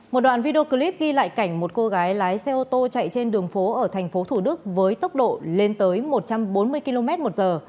một đoạn video clip ghi lại cảnh một cô gái lái xe ô tô chạy trên đường phố ở thành phố thủ đức với tốc độ lên tới một trăm bốn mươi km một giờ